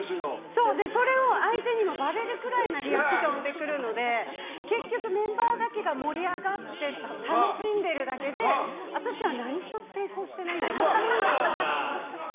それが相手にもバレるくらいのリアクションで来るので結局メンバーだけが盛り上がって楽しんでるだけで私は何１つ成功してないんですよ。